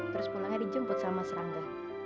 terus pulangnya dijemput sama serangga